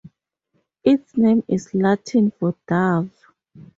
Its name is Latin for dove.